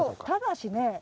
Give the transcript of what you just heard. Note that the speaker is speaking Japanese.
ただしね